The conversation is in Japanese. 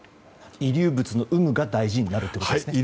遺留物の有無が大事になるということですね。